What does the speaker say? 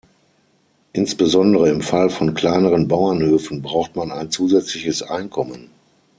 Insbesondere im Fall von kleineren Bauernhöfen braucht man ein zusätzliches Einkommen.